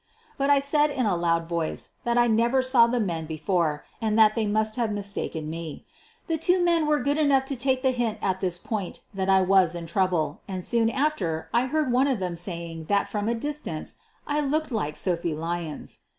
But I said in a loud voice that I never saw the men before, and that they must have mistaken me. The two men were good enough to take the hint at this point that I was in trouble, and soon after I heard one of them saying that from a distance 1 looked like Sophie Lyons.